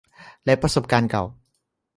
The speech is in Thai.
และประสบการณ์เก่า